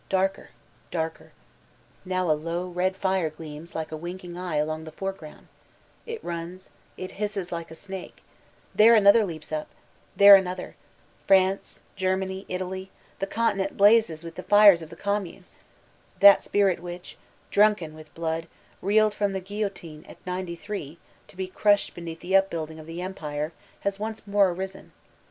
Darker, darker! Now a low, red fire gleams like a winking eye along the fore* ground ; it runs, it hisses like a snake ; there another leaps up, there another ; France, Germany, Italy — the c o ntin e nt blazes with the fires of the Cotmaunt I That spirit whick, drunken with blood, reeled from the guillotine at '93, to be crushed beneath the upbuilding of the Empire, has once more arisen.